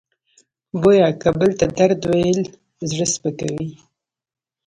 بویه که بل ته درد ویل زړه سپکوي.